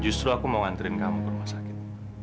justru aku mau nganterin kamu ke rumah sakit